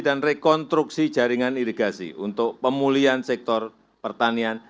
dan rekonstruksi jaringan irigasi untuk pemulihan sektor pertanian